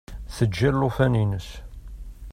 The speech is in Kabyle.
Teǧǧa llufan-ines.